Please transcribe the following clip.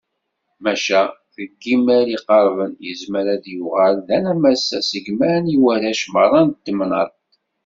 Maca, deg yimal iqerben, yezmer ad d-yuɣal d anammas asegman i warrac merra n temnaḍt.